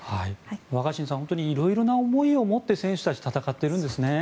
若新さん本当に色々な思いを持って選手たち戦っているんですね。